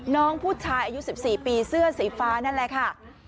น้องผู้ชายอายุ๑๔ปีเสื้อสีฟ้านั่นแหละค่ะ